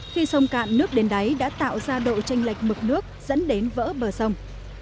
khi sông cạn nước đến đáy đã tạo ra độ tranh lệch mực nước dẫn đến vỡ bờ sông